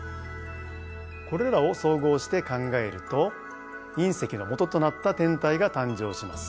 これらを総合して考えるといん石のもととなった天体が誕生します。